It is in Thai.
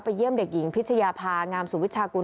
เยี่ยมเด็กหญิงพิชยาภางามสุวิชากุล